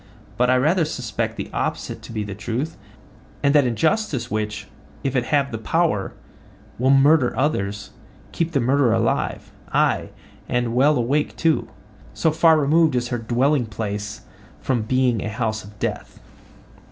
But I rather suspect the opposite to be the truth, and that injustice which, if it have the power, will murder others, keeps the murderer alive—aye, and well awake too; so far removed is her dwelling place from being a house of death.